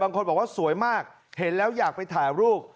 บอกว่าสวยมากเห็นแล้วอยากไปถ่ายรูป